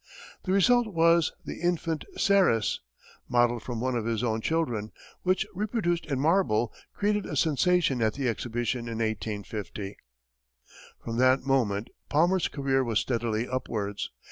The result was the "Infant Ceres," modelled from one of his own children, which, reproduced in marble, created a sensation at the exhibitions in 1850. From that moment, Palmer's career was steadily upwards.